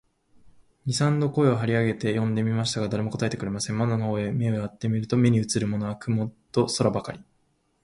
二三度声を張り上げて呼んでみましたが、誰も答えてくれません。窓の方へ目をやって見ると、目にうつるものは雲と空ばかり、